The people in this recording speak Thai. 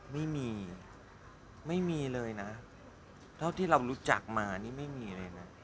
ไม่มีไม่มีเลยนะเท่าที่เรารู้จักมานี่ไม่มีเลยนะ